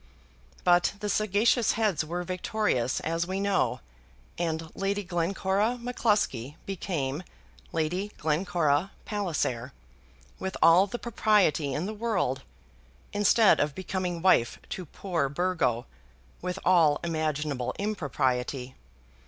But the sagacious heads were victorious, as we know, and Lady Glencora M'Cluskie became Lady Glencora Palliser with all the propriety in the world, instead of becoming wife to poor Burgo, with all imaginable impropriety.